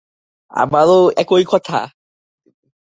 আবারও একই কথা?